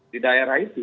di daerah itu